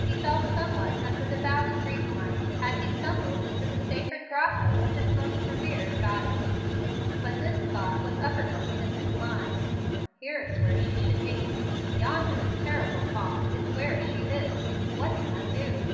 He felt somewhat as a devout Greek might, had he stumbled into the sacred grotto of his most revered goddess. But this thought was uppermost in his mind, "Here is where she should be; yonder terrible thought is where she is. What can I do?"